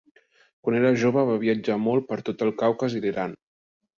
Quan era jove va viatjar molt per tot el Caucas i Iran.